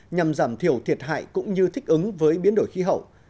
nhằm giảm thiểu thiệt hại cũng như thích ứng với biến đổi khí hậu